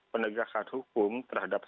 penegakan hukum terhadap